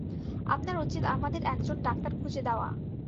আপনার উচিত আমাদের একজন ডাক্তার খুঁজে দেওয়া।